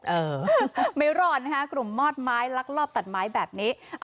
เออไม่รอดนะคะกลุ่มมอดไม้ลักลอบตัดไม้แบบนี้